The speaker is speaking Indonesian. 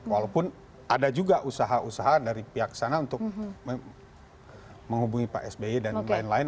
walaupun ada juga usaha usaha dari pihak sana untuk menghubungi pak sby dan lain lain